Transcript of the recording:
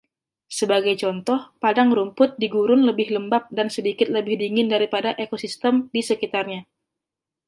Sebagai contoh, padang rumput di gurun lebih lembap dan sedikit lebih dingin daripada ekosistem di sekitarnya.